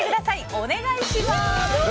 お願いします。